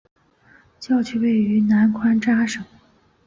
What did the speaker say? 教区位于南宽扎省。